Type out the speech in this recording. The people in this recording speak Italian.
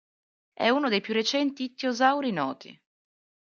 È uno dei più recenti ittiosauri noti.